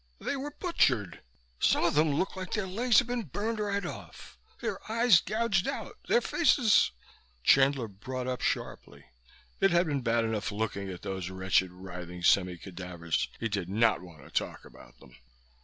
"They were butchered! Some of them looked like their legs had been burned right off. Their eyes gouged out, their faces " Chandler brought up sharply. It had been bad enough looking at those wretched, writhing semi cadavers; he did not want to talk about them.